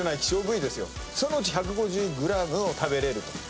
そのうち１５０ｇを食べれると。